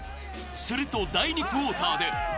すると第２クォーターで。